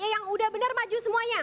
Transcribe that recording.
yang udah benar maju semuanya